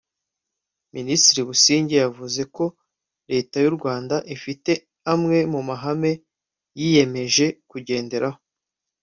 Minisitiri Busingye yavuze ko Leta y’u Rwanda ifite amwe mu mahame yiyemeje kugenderaho